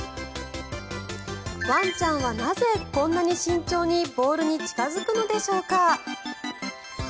ワンちゃんはなぜ、こんなに慎重にボールに近付くのでしょうか。